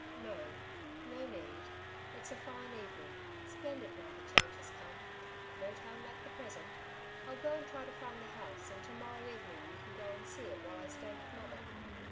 " No, no need. It's a fine evening, splendid now the change has come. No time like the present. I'll go and try to find the house, and to morrow evening you can go and see it while I stay with mother."